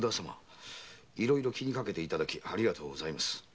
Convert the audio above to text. いろいろ気にかけて頂きありがとうございます。